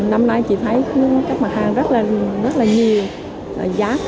năm nay chị thấy các mặt hàng rất là nhiều giá cả thì cũng rất là ok